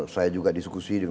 saya juga diskusi dengan